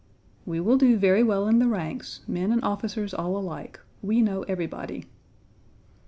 "We will do very well in the ranks; men and officers all alike; we know everybody."